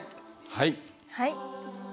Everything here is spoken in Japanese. はい。